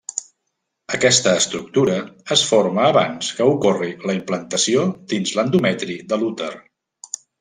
Aquesta estructura es forma abans que ocorri la implantació dins l'endometri de l'úter.